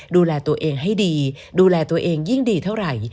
ดูแลตัวเองให้ดีดูแลตัวเองยิ่งดีเท่าไหร่